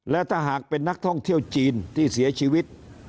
และถ้าหากเป็นนักท่องเที่ยวจีนที่เสียชีวิต